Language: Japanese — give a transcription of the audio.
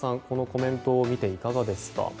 このコメントを見ていかがですか。